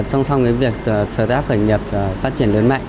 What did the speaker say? xong xong với việc sở tác khởi nghiệp phát triển lớn mạnh